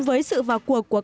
và ý thức chấp hành